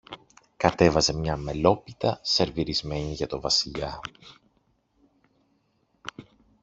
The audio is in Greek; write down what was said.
κατέβαζε μια μελόπιτα σερβιρισμένη για το Βασιλιά.